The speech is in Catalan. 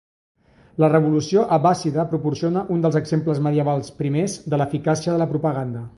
La revolució abbàssida proporciona un dels exemples medievals primers de l'eficàcia de la propaganda.